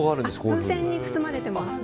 風船に包まれてます。